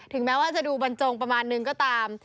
แม้ว่าจะดูบรรจงประมาณนึงก็ตาม